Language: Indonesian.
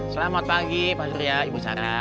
selamat pagi pak surya ibu sarah